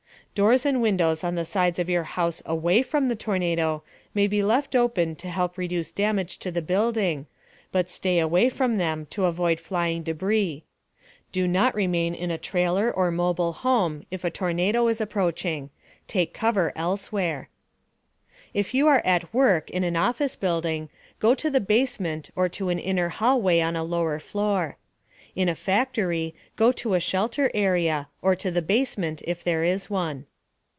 Doors and windows on the sides of your house away from, the tornado may be left open to help reduce damage to the building, but stay away from them to avoid flying debris. Do not remain in a trailer or mobile home if a tornado is approaching; take cover elsewhere. If you are at work in an office building, go to the basement or to an inner hallway on a lower floor. In a factory, go to a shelter area, or to the basement if there is one.